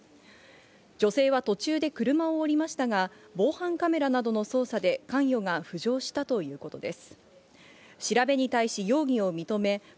女性は途中で車を降りましたが、防犯カメラなどの捜査で関与が浮上したということです。